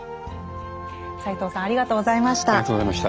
斎藤さんありがとうございました。